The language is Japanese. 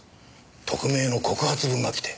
匿名の告発文が来て。